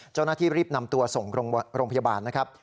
เจ้าหน้าที่รีบนำตัวส่งโรงพยาบาลนะครับ